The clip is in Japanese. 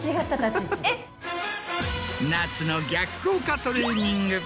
夏の逆効果トレーニング。